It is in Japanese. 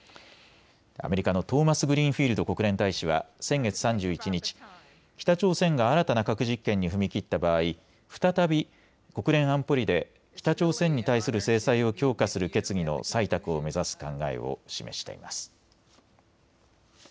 アメリカのトーマスグリーンフィールド国連大使は先月３１日、北朝鮮が新たな核実験に踏み切った場合、再び国連安保理で北朝鮮に対する制裁を強化する決議の採択を目指す考えを示しています。